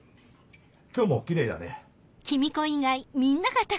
今日もキレイだね。